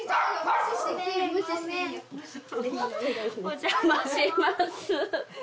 お邪魔します。